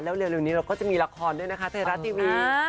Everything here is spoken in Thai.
แล้วเร็วนี้เราก็จะมีละครด้วยนะคะไทยรัฐทีวี